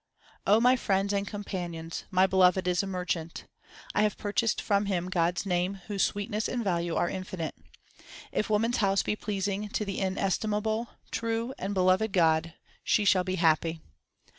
my friends and companions, my beloved is a merchant. 1 have purchased from him God s name whose sweetness and value are infinite. If woman s house be pleasing to the inestimable, true, and beloved God, she shall be happy.